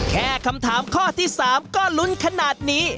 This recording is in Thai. แค่คำถามข้อที่๓ก็ลุ้นขนาดนี้